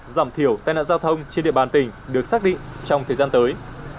giảm thiểu tai nạn giao thông trên địa bàn tỉnh được xác định trong thời gian tới